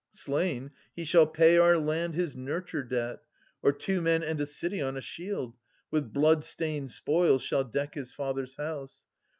Slain, he shall pay our land his nurture debt. Or two men and a city on a shield With blood stained spoils shall deck his father's house.